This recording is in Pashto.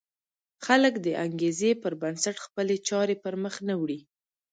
خلک د انګېزې پر بنسټ خپلې چارې پر مخ نه وړي.